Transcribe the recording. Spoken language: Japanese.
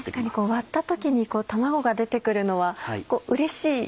割った時に卵が出て来るのはうれしい。